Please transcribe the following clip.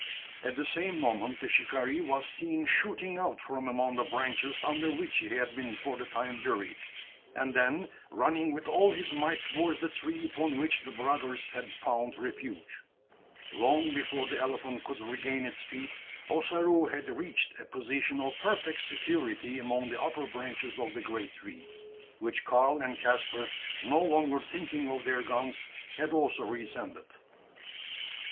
At the same moment the shikaree was seen shooting out from among the branches under which he had been for the time buried; and, then running with all his might towards the tree upon which the brothers had found refuge. Long before the elephant could regain its feet, Ossaroo had reached a position of perfect security among the upper branches of the great tree; which Karl and Caspar, no longer thinking of their guns, had also re ascended.